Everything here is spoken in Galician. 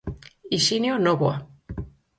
Hixinio Nóvoa.